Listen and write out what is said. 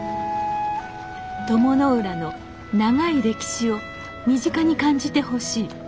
鞆の浦の長い歴史を身近に感じてほしい。